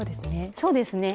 そうですね。